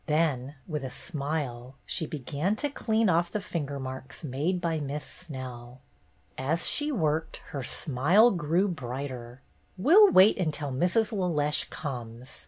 Then, with a smile, she began to clean off the finger marks made by Miss Snell. As she worked, her smile grew brighter. "We 'll wait until Mrs. LeLeche comes.